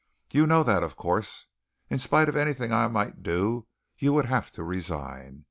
You know that, of course. In spite of anything I might do you would have to resign.